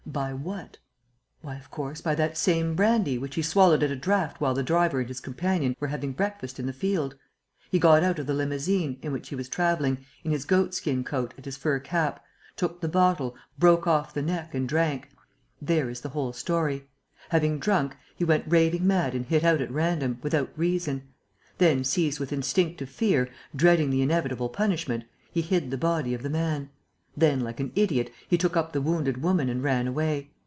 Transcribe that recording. By what? Why, of course, by that same brandy, which he swallowed at a draught while the driver and his companion were having breakfast in the field. He got out of the limousine, in which he was travelling, in his goat skin coat and his fur cap, took the bottle, broke off the neck and drank. There is the whole story. Having drunk, he went raving mad and hit out at random, without reason. Then, seized with instinctive fear, dreading the inevitable punishment, he hid the body of the man. Then, like an idiot, he took up the wounded woman and ran away.